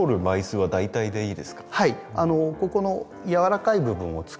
はい。